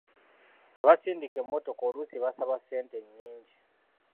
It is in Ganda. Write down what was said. Abasindika emmotoka oluusi basaba ssente nnyingi.